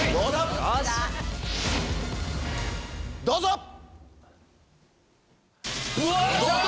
どうぞ！